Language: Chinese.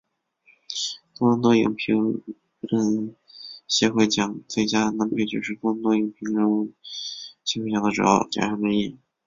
多伦多影评人协会奖最佳男配角是多伦多影评人协会奖的主要奖项之一。